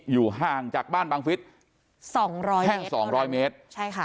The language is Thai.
อยู่ห่างจากบ้านบังฟิศสองร้อยเมตรแค่สองร้อยเมตรใช่ค่ะ